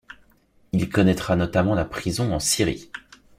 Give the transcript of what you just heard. Il connaîtra notamment la prison en Syrie.